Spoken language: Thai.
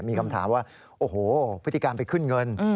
มีคำถามว่าโอ้โหพฤติการไปขึ้นเงิน